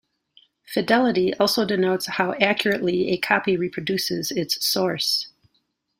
Fidelity also denotes how accurately a copy reproduces its source.